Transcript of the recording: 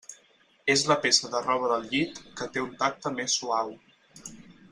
És la peça de roba del llit que té un tacte més suau.